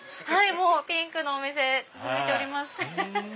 ピンクのお店続いております。